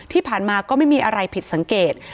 ที่ผ่านมาก็ไม่มีอะไรผิดสังเกต